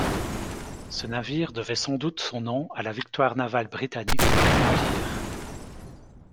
Ce navire devait sans doute son nom à la victoire navale britannique d'Aboukir.